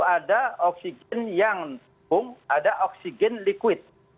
ada oksigen yang tabung ada oksigen yang liquid